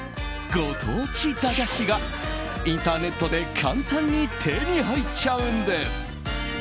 ご当地駄菓子がインターネットで簡単に手に入っちゃうんです。